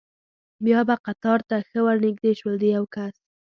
بیا به قطار ته ښه ور نږدې شول، د یو کس.